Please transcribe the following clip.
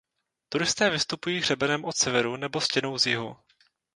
Turisté vystupují hřebenem od severu nebo stěnou z jihu.